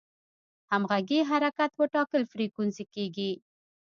همغږي حرکت په ټاکلې فریکونسي کېږي.